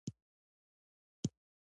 ما ورته وويل دا ډوډۍ تاسو کوم نه لرئ؟